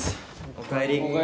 ・おかえり。